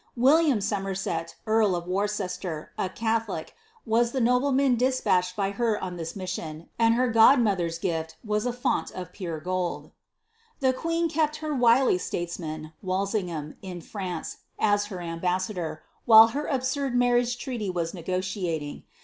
William Somerset, earl of Worcester, a Githolic, was the oobleman despatched by her on this mission ; and her godmother's gif\ was a font of pure gold. The queen kept her wily statesman, Walsingham, in France, as her ambassador, while her absurd marriage treaty was negotiating.